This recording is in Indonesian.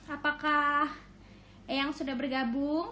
apakah eyang sudah bergabung